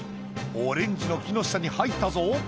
オレンジの木の下に入ったぞ。